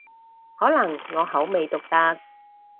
可能我口味獨特